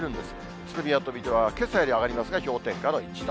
宇都宮と水戸はけさより上がりますが、氷点下の１度。